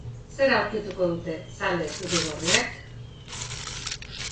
Zer aurkituko dute zale zuri-gorriek?